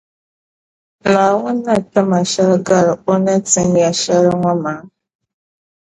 Naawuni ni ti ma shεli gari O ni tin ya shεli ŋɔ maa.